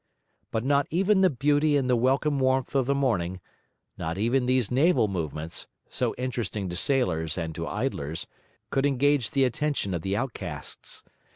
But not even the beauty and the welcome warmth of the morning, not even these naval movements, so interesting to sailors and to idlers, could engage the attention of the outcasts.